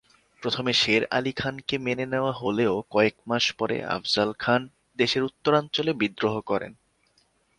প্রথমে শের আলি খানকে মেনে নেয়া হলেও কয়েক মাস পরে আফজাল খান দেশের উত্তরাঞ্চলে বিদ্রোহ করেন।